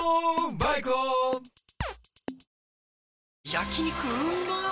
焼肉うまっ